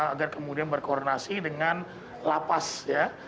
agar kemudian berkoordinasi dengan lapas ya